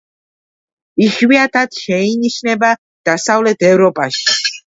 იშვიათად შეინიშნება დასავლეთ ევროპაში.